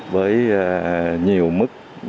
với nhiều mức giá